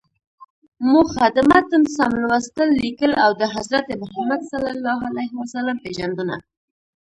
موخه: د متن سم لوستل، ليکل او د حضرت محمد ﷺ پیژندنه.